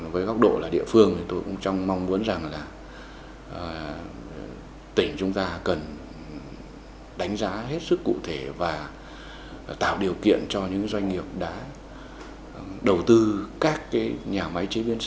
với góc độ địa phương thì tôi cũng mong muốn là tỉnh chúng ta cần đánh giá hết sức cụ thể và tạo điều kiện cho những doanh nghiệp đã đầu tư các nhà máy chế biến sâu để làm sao nguồn nguyên liệu trên địa bàn của chúng ta tập trung vào những nhà máy những cơ sở đó để làm sao